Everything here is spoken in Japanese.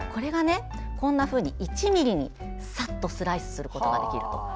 こんなふうに１ｍｍにさっとスライスすることができる。